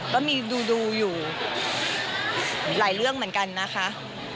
ก็มีดูอยู่หลายเรื่องเหมือนกันนะคะ